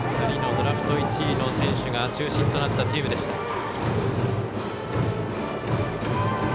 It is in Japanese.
２人のドラフト１位の選手が中心となったチームでした。